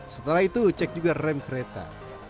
setelah itu cek juga rem kereta